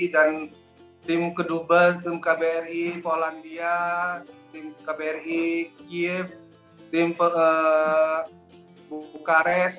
dan tim kedubes tim kbri polandia tim kbri kiev tim bukares